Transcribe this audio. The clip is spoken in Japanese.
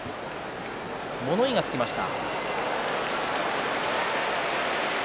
物言いがつきました。